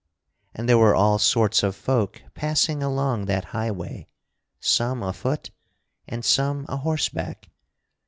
And there were all sorts of folk passing along that highway; some afoot and some ahorseback.